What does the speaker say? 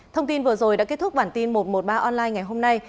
thông tin vừa rồi đã kết thúc bản tin một trăm một mươi ba online ngày hôm nay